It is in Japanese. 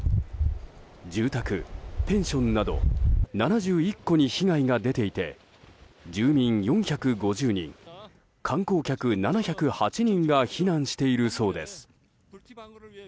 住宅、ペンションなど７１戸に被害が出ていて住民４５０人観光客７０８人が避難しているそうです。